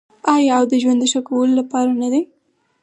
آیا او د ژوند د ښه کولو لپاره نه دی؟